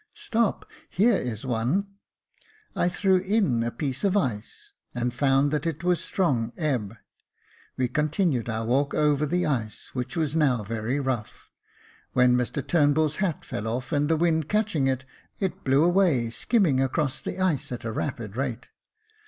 " Stop, here is one." I threw in a piece of ice, and found that it was strong ebb. We continued our walk over the ice, which was now very rough, when Mr Turnbull's hat fell oiF, and the wind catching it, it blew away, skimming across the ice, at a rapid rate.